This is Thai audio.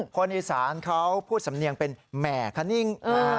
คนอีสานเขาพูดสำเนียงเป็นแหม่คณิ่ง